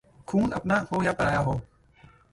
खून अपना हो या पराया हो